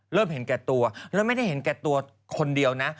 เห็นแก่ตัวแล้วไม่ได้เห็นแก่ตัวคนเดียวนะ